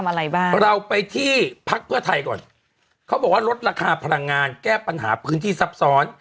อะไรบ้างเราไปที่พักเพื่อไทยก่อนเขาบอกว่าลดราคาพลังงานแก้ปัญหาพื้นที่ซับซ้อน